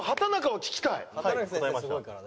すごいからね。